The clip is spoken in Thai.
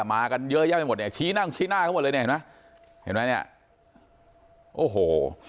มากันเยอะแยะไปหมดเนี่ยชี้นั่งชี้หน้าเขาหมดเลยเนี่ยเห็นไหมเห็นไหมเนี่ยโอ้โห